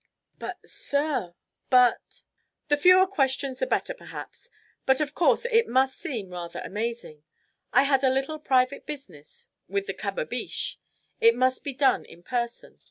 "But, sir; but !" "The fewer questions the better, perhaps. But of course it must seem rather amazing. I had a little private business with the Kabbabish. It must be done in person.